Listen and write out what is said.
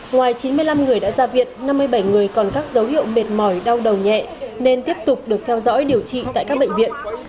ngoài chín mươi năm người đã ra viện năm mươi bảy người còn các dấu hiệu mệt mỏi đau đầu nhẹ nên tiếp tục được theo dõi điều trị tại các bệnh viện